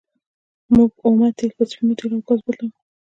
موږ اومه تیل په سپینو تیلو او ګازو بدلوو.